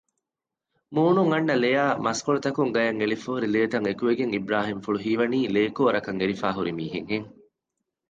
މޫނުން އަންނަ ލެއާއި މަސްކޮތަޅުން ގަޔަށް އެޅިފައިހުރި ލޭތައް އެކުވެގެން އިބުރާހިމްފުޅު ހީވަނީ ލޭކޯރަކަށް އެރިފައިހުރި މީހެއް ހެން